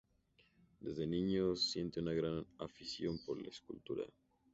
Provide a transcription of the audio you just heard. Desde niño siente una gran afición por la escultura.